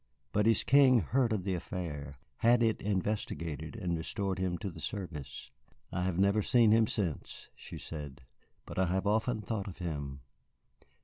But his King heard of the affair, had it investigated, and restored him to the service. I have never seen him since," she said, "but I have often thought of him.